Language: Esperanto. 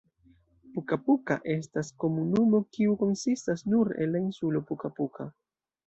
Puka-Puka estas komunumo kiu konsistas nur el la insulo Puka-Puka.